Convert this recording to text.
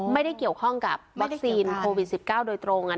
ไม่ได้เกี่ยวข้องกับวัคซีนโควิด๑๙โดยตรง